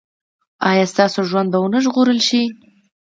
ایا ستاسو ژوند به و نه ژغورل شي؟